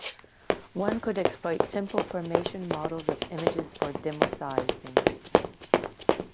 One could exploit simple formation models of images for demosaicing.